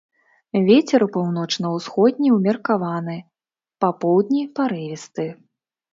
Вецер паўночна-ўсходні ўмеркаваны, па поўдні парывісты.